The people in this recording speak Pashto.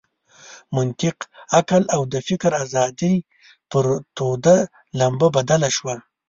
منطق، عقل او د فکر آزادي پر توده لمبه بدله شوه.